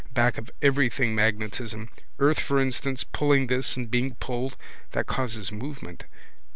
Back of everything magnetism. Earth for instance pulling this and being pulled. That causes movement.